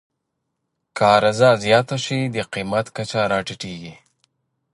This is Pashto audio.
که عرضه زیاته شي، د قیمت کچه راټیټېږي.